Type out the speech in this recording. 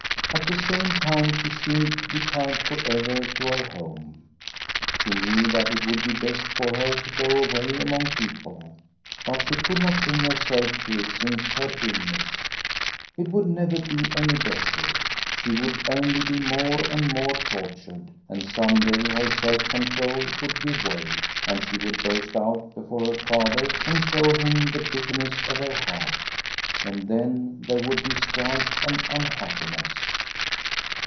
At the same time she seemed to be tied forever to her home. She knew that it would be best for her to go away among people, but she could not bring herself to it since her illness. It would never be any better. She would only be more and more tortured, and some day her self control would give way, and she would burst out before her father and show him the bitterness of her heart, and then there would be strife and unhappiness.